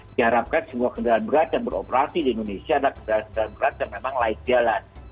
diharapkan semua kendaraan berat yang beroperasi di indonesia adalah kendaraan kendaraan berat yang memang layak jalan